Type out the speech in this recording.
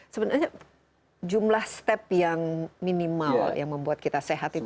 sebenarnya jumlah step yang minimal yang membuat kita sehat itu